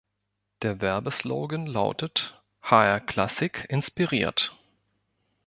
Der Werbeslogan lautete „hr-klassik inspiriert“.